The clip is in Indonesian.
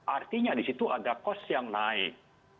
artinya di situ ada cost yang naik